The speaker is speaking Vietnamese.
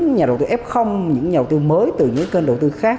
những nhà đầu tư f những nhà đầu tư mới từ những kênh đầu tư khác